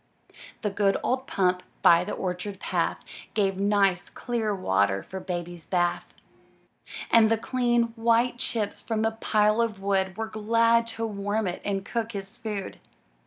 The good old pump by the orchard path, Gave nice, clear water for Baby's bath. And the clean, white chips from the pile of wood Were glad to warm it and cook his food.